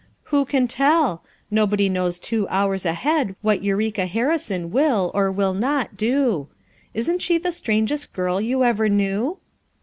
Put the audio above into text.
"Who can tell? Nobody knows two hours ahead what Eureka Harrison will, or will not do, Isn't she the strangest girl you ever knew?"